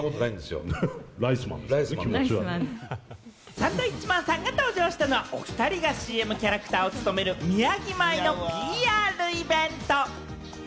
サンドウィッチマンさんが登場したのは、おふたりがＣＭキャラクターを務める宮城米のＰＲイベント。